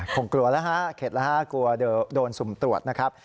คงกลัวแล้วฮะเข็ดแล้วฮะกลัวเดี๋ยวโดนสุ่มตรวจนะครับ